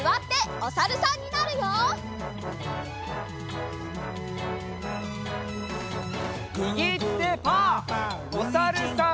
おさるさん。